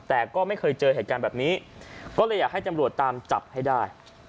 แต่ก็ไม่เคยเจอเหตุการณ์แบบนี้ก็เลยอยากให้ตำรวจตามจับให้ได้